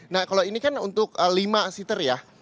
nah kalau ini kan untuk lima seater ya